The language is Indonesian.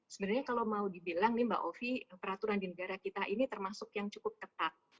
sebenarnya kalau mau dibilang nih mbak ovi peraturan di negara kita ini termasuk yang cukup ketat